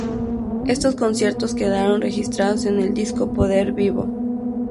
Estos conciertos quedaron registrados en el disco Poder vivo.